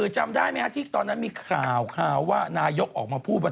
จำได้ไหมฮะที่ตอนนั้นมีข่าวข่าวว่านายกออกมาพูดว่า